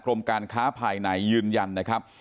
การค้าภายในยืนยันนะครับ